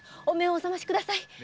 お目をお覚ましください！